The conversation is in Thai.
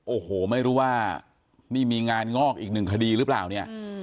โอ้โหไม่รู้ว่านี่มีงานงอกอีกหนึ่งคดีหรือเปล่าเนี่ย